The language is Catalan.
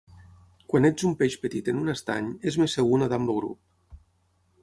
Quan ets un peix petit en un estany, és més segur nedar amb el grup.